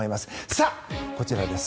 さあ、こちらです。